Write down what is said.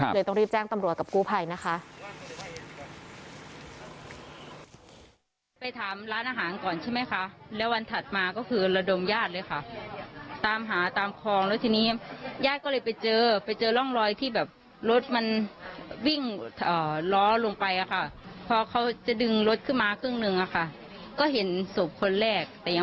เลยต้องรีบแจ้งตำรวจกับกู้ภัยนะคะ